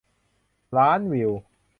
ล้านวิว